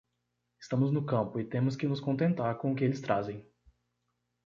Estamos no campo e temos que nos contentar com o que eles trazem.